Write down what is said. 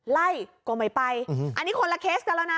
ไล่กลงไม่ไปอันนี้คนละเคสเดี๋ยวแล้วน่ะ